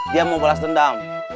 dia mau balas dendam